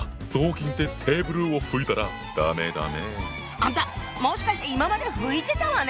あんたもしかして今まで拭いてたわね